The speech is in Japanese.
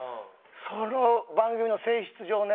その番組の性質上ね。